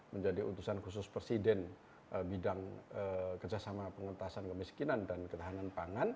menjadi utusan khusus presiden bidang kerjasama pengetasan kemiskinan dan ketahanan pangan